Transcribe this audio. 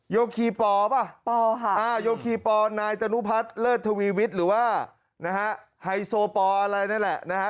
โยคีปอป่ะโยคีปอนายตนุพัฒน์เลิศทวีวิทย์หรือว่านะฮะไฮโซปออะไรนั่นแหละนะฮะ